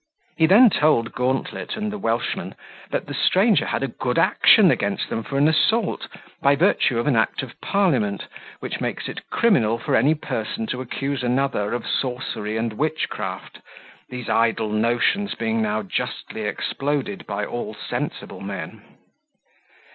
He then told Gauntlet and the Welshman that the stranger had a good action against them for an assault, by virtue of an Act of Parliament, which makes it criminal for any person to accuse another of sorcery and witchcraft, these idle notions being now justly exploded by all sensible men.